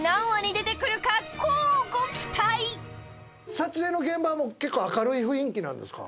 撮影の現場も結構明るい雰囲気なんですか？